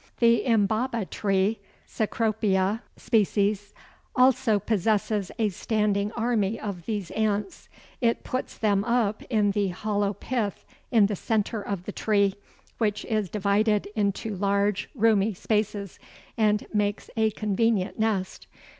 The Imbauba tree (Cecropia spp.) also possesses a standing army of these ants. It puts them up in the hollow pith in the centre of the tree, which is divided into large roomy spaces and makes a convenient nest.